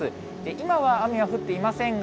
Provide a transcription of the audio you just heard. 今は雨は降っていませんが、